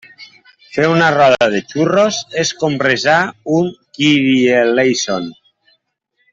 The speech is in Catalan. Fer una roda de xurros és com resar un kyrieleison.